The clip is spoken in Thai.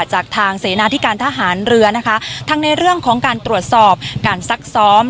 จากทางเสนาที่การทหารเรือนะคะทั้งในเรื่องของการตรวจสอบการซักซ้อม